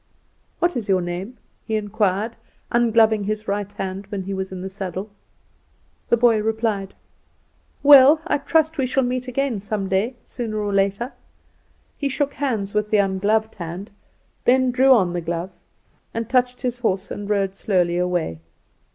"What is your name?" he inquired, ungloving his right hand when he was in the saddle. The boy replied: "Well, I trust we shall meet again some day, sooner or later." He shook hands with the ungloved hand; then drew on the glove, and touched his horse, and rode slowly away.